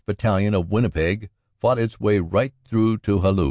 Battalion of Winnipeg fought its way right through to Hallu.